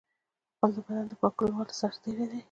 غول د بدن د پاکولو سرتېری دی.